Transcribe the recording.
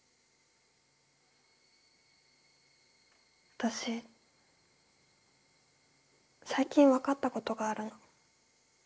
私最近分かったことがあるの。